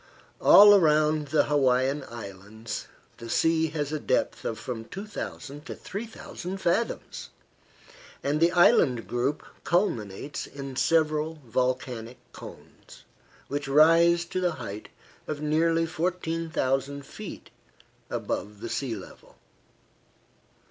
All round the Hawaiian Islands the sea has a depth of from 2,000 to 3,000 fathoms, and the island group culminates in several volcanic cones, which rise to the height of nearly 14,000 feet above the sea level.